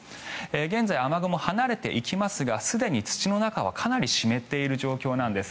現在、雨雲離れていきますがすでに土の中かなり湿っている状況なんです。